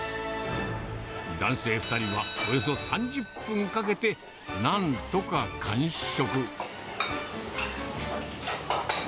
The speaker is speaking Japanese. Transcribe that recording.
男性２人はおよそ３０分かけて、なんとか完食。